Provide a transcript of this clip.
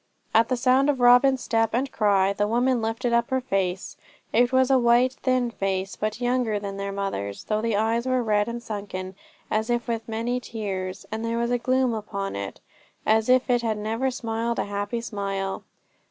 At the sound of Robin's step and cry the woman lifted up her face. It was a white, thin face, but younger than their mother's, though the eyes were red and sunken, as if with many tears, and there was a gloom upon it, as if it had never smiled a happy smile.